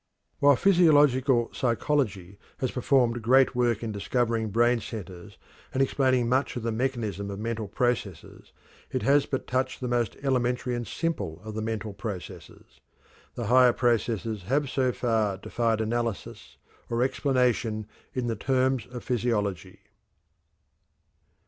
While physiological psychology has performed great work in discovering brain centers and explaining much of the mechanism of mental processes, it has but touched the most elementary and simple of the mental processes. The higher processes have so far defied analysis or explanation in the terms of physiology.